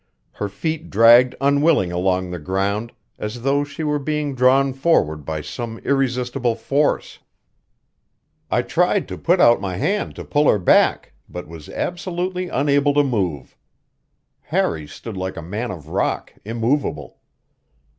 Her feet dragged unwilling along the ground, as though she were being drawn forward by some irresistible force. I tried to put out my hand to pull her back, but was absolutely unable to move. Harry stood like a man of rock, immovable.